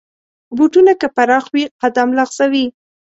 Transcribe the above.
بوټونه که پراخ وي، قدم لغزوي.